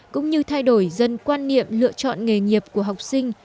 cũng như thay đổi dân quan niệm lựa chọn nghề nghiệp của học sinh